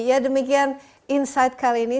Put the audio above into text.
ya demikian insight kali ini